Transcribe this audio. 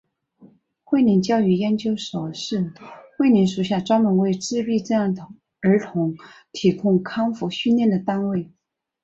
慧灵教育研究所是慧灵属下专门为自闭症儿童提供康复训练的单位。